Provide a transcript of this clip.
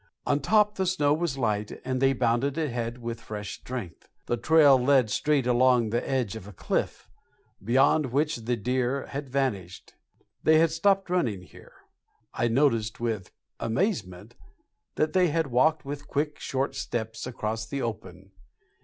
On top the snow was light, and they bounded ahead with fresh strength. The trail led straight along the edge of a cliff, beyond which the deer had vanished. They had stopped running here; I noticed with amazement that they had walked with quick short steps across the open.